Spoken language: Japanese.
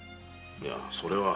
いやそれは。